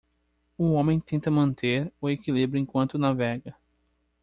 Um homem tenta manter o equilíbrio enquanto navega